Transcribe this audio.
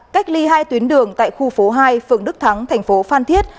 cách ly hai tuyến đường tại khu phố hai phường đức thắng thành phố phan thiết